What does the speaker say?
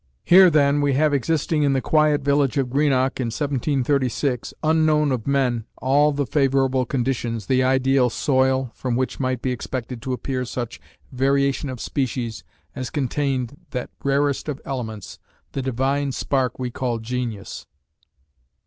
Here, then, we have existing in the quiet village of Greenock in 1736, unknown of men, all the favorable conditions, the ideal soil, from which might be expected to appear such "variation of species" as contained that rarest of elements, the divine spark we call genius.